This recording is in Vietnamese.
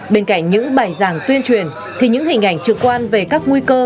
bên cạnh những bài giảng tuyên truyền thì những hình ảnh trực quan về các nguy cơ